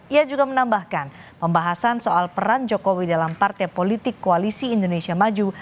ia juga menambahkan pembahasan soal peran jokowi dalam partai politik koalisi indonesia maju